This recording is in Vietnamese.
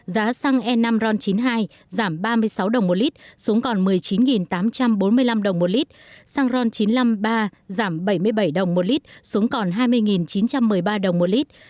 giá xăng e năm ron chín mươi hai giảm ba mươi sáu đồng một lít xuống còn một mươi chín tám trăm bốn mươi năm đồng một lít xăng ron chín trăm năm mươi ba giảm bảy mươi bảy đồng một lit xuống còn hai mươi chín trăm một mươi ba đồng một lít